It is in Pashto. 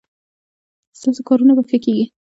ستاسو کارونه به ښه کیږي